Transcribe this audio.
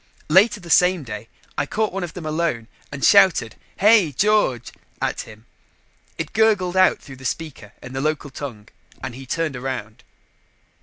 Later the same day, I caught one of them alone and shouted "Hey, George!" at him. It gurgled out through the speaker in the local tongue and he turned around.